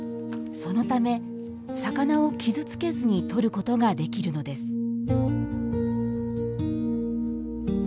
そのため魚を傷つけずに取ることができるのです